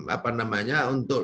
apa namanya untuk